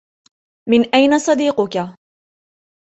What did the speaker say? من أين صديقك؟